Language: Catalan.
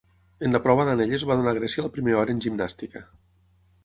En la prova d'anelles va donar a Grècia el primer or en gimnàstica.